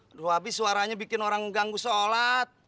aduh habis suaranya bikin orang ganggu sholat